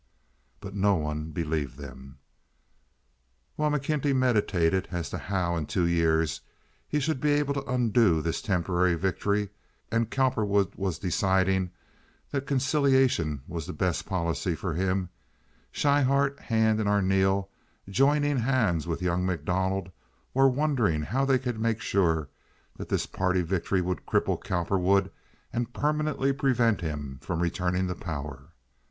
But no one believed them. While McKenty meditated as to how in two years he should be able to undo this temporary victory, and Cowperwood was deciding that conciliation was the best policy for him, Schryhart, Hand, and Arneel, joining hands with young MacDonald, were wondering how they could make sure that this party victory would cripple Cowperwood and permanently prevent him from returning to power.